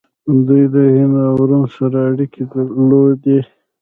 دوی د هند او روم سره اړیکې درلودې